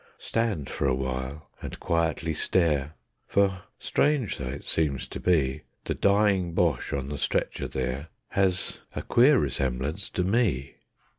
Stand for a while, and quietly stare: for strange though it seems to be, The dying Boche on the stretcher there has a queer resemblance to me.